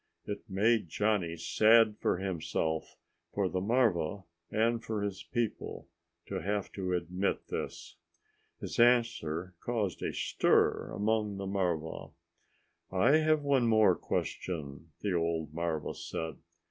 It made Johnny sad for himself, for the marva, and for his people, to have to admit this. His answer caused a stir among the marva. "I have one more question," the old marva said.